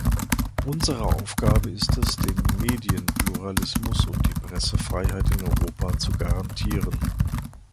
Unsere Aufgabe ist es, den Medienpluralismus und die Pressefreiheit in Europa zu garantieren.